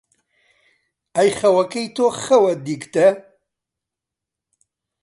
ئەی خەوەکەی تۆ خەوە دیگتە،